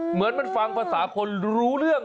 เหมือนมันฟังภาษาคนรู้เรื่อง